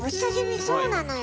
そうなのよ。